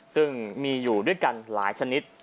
ซึ่งมีอยู่ด้วยกันหลายชนิด